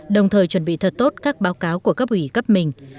đồng thời chuẩn bị thật tốt các báo cáo của cấp ủy cấp mình